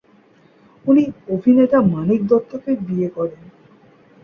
উনি অভিনেতা মানিক দত্তকে বিয়ে করেন।